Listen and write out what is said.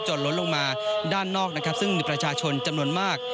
ล้นลงมาด้านนอกนะครับซึ่งมีประชาชนจำนวนมาก